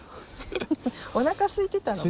おなかすいてたんだ。